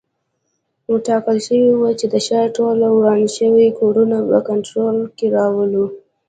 ټاکل شوي وه چې د ښار ټول وران شوي کورونه په کنټرول کې راولو.